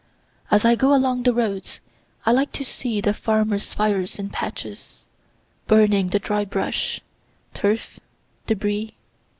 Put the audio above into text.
As I go along the roads I like to see the farmers' fires in patches, burning the dry brush, turf, debris.